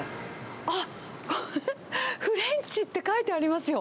あっ、フレンチって書いてありますよ。